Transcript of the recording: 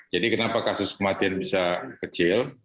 jadi kenapa kasus kematian bisa kecil